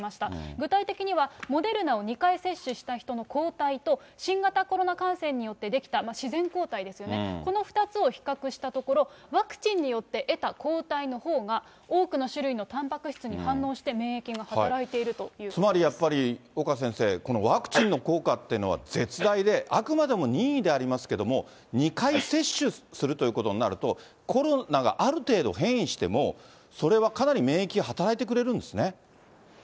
具体的にはモデルナを２回接種した人の抗体と、新型コロナ感染によって出来た自然抗体ですよね、この２つを比較したところ、ワクチンによって得た抗体のほうが、多くの種類のたんぱく質に反応して、免疫が働いているということつまりやっぱり、岡先生、このワクチンの効果っていうのは絶大で、あくまでも任意でありますけども、２回接種するということになると、コロナがある程度変異しても、それはかなり免疫が働いてくれるんですね。